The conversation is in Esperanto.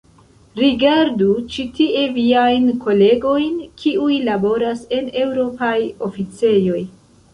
Rigardu ĉi tie viajn kolegojn kiuj laboras en eŭropaj oficejoj.